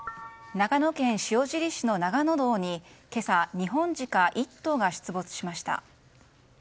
長野県塩尻市の長野道に今朝、ニホンジカ１頭が出没しました。